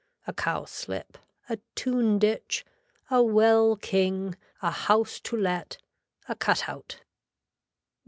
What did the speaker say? A cowslip. A tune ditch. A well king. A house to let. A cut out.